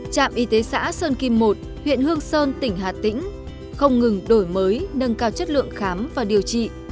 trạm y tế xã sơn kim một huyện hương sơn tỉnh hà tĩnh không ngừng đổi mới nâng cao chất lượng khám và điều trị